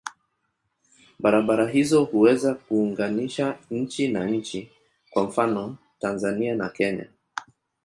Barabara hizo huweza kuunganisha nchi na nchi, kwa mfano Tanzania na Kenya.